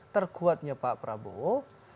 terkuatnya pak prabowo